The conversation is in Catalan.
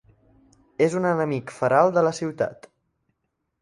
És un enemic feral de la ciutat.